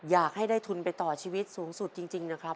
อยากให้ได้ทุนไปต่อชีวิตสูงสุดจริงนะครับ